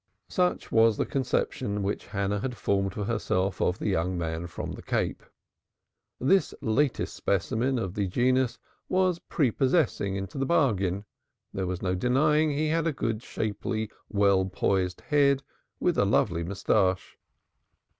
Such was the conception which Hannah had formed for herself of the young man from the Cape. This latest specimen of the genus was prepossessing into the bargain. There was no denying he was well built, with a shapely head and a lovely moustache.